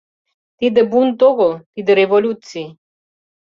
Тиде бунт огыл, тиде революций!